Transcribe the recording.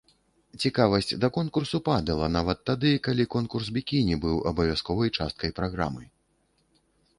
Цікавасць да конкурсу падала нават тады, калі конкурс бікіні быў абавязковай часткай праграмы.